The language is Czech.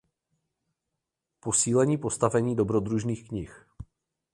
Posílení postavení dobrodružných knih.